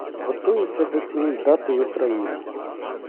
Готується до цієї дати й Україна.